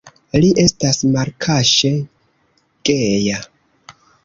Li estas malkaŝe geja.